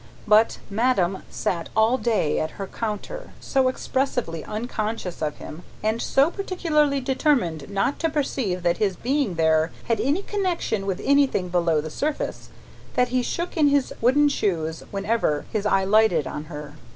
But, madame sat all day at her counter, so expressly unconscious of him, and so particularly determined not to perceive that his being there had any connection with anything below the surface, that he shook in his wooden shoes whenever his eye lighted on her.